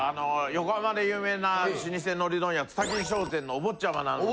横浜で有名な老舗海苔問屋蔦金商店のおぼっちゃまなので。